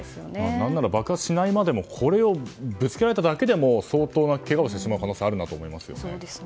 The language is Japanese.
何なら爆発しないまでもこれをぶつけられただけでも相当なけがをしてしまう可能性があるなと思いますね。